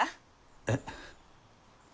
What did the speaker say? えっ。